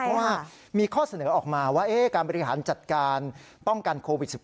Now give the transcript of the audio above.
เพราะว่ามีข้อเสนอออกมาว่าการบริหารจัดการป้องกันโควิด๑๙